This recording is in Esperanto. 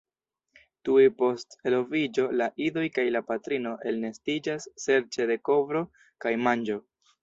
Tuj post eloviĝo la idoj kaj la patrino elnestiĝas serĉe de kovro kaj manĝo.